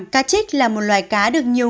cá chích là một loài cá được nhiều